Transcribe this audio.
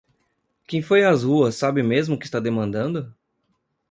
Quem foi às ruas sabe mesmo o que está demandando?